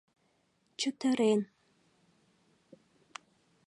Чытырен.